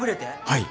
はい。